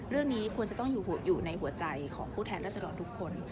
เรื่องนี้ควรจะต้องอยู่ในหัวใจของผู้แทนรัศดรทุกคน